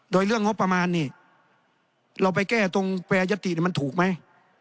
โดยเรื่องงบประมาณนี่เราไปแก้ตรงแปรยติมันถูกไหม